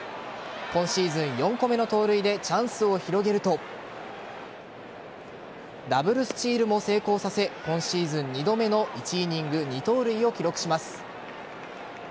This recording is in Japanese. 今シーズン４個目の盗塁でチャンスを広げるとダブルスチールも成功させ今シーズン２度目の１イニング２盗塁を記録します。